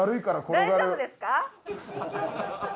大丈夫ですか？